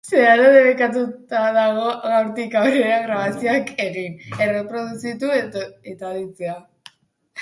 Zeharo debekatuta dago gaurtik aurrera grabazioak egin, erreproduzitu eta aditzea.